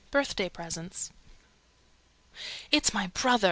BIRTHDAY PRESENTS. "It's my brother!"